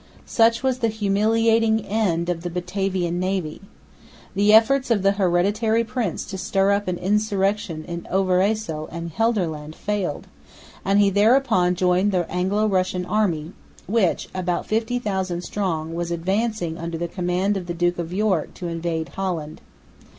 Such was the humiliating end of the Batavian navy. The efforts of the hereditary prince to stir up an insurrection in Overyssel and Gelderland failed; and he thereupon joined the Anglo Russian army, which, about 50,000 strong, was advancing under the command of the Duke of York to invade Holland.